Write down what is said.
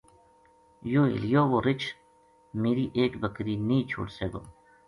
یوہ حِلیو وو رچھ میری ایک بکری نیہہ چھوڈسے گو